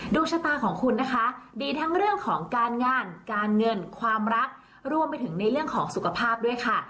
ดวงชะตาของคุณนะคะดีทั้งเรื่องของการงานการเงินความรักรวมไปถึงในเรื่องของสุขภาพด้วยค่ะ